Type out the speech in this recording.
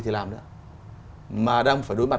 thì làm nữa mà đang phải đối mặt